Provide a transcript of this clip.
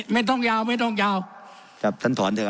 ไม่ต้องยาวไม่ต้องยาวครับท่านถอนเถอะ